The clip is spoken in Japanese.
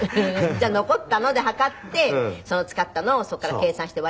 じゃあ残ったので量って使ったのをそこから計算して割り出すと。